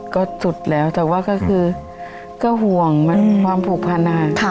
ก็สุดแล้วแต่ว่าก็คือก็ห่วงความผูกพันนะคะ